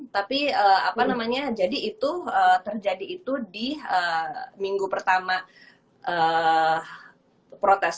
tapi apa namanya jadi itu terjadi itu di minggu pertama protes